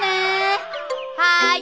はい。